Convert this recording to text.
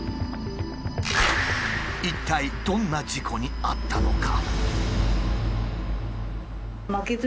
一体どんな事故に遭ったのか？